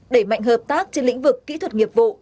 đẩy mạnh hợp tác trên lĩnh vực kỹ thuật nghiệp vụ